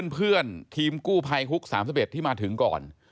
เพื่อนทีมกู้ภัยฮุก๓๑ที่มาถึงก่อน